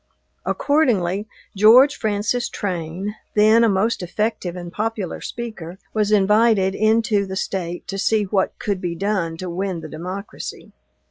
Accordingly, George Francis Train, then a most effective and popular speaker, was invited into the State to see what could be done to win the Democracy.